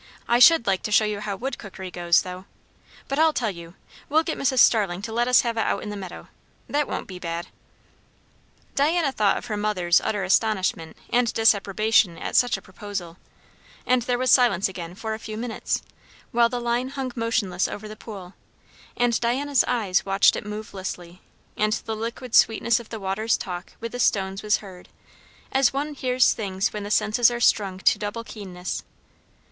I should like to show you how wood cookery goes, though. But I'll tell you! we'll get Mrs. Starling to let us have it out in the meadow that won't be bad." Diana thought of her mother's utter astonishment and disapprobation at such a proposal; and there was silence again for a few minutes, while the line hung motionless over the pool, and Diana's eyes watched it movelessly, and the liquid sweetness of the water's talk with the stones was heard, as one hears things when the senses are strung to double keenness.